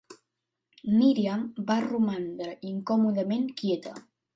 Miriam va romandre incòmodament quieta.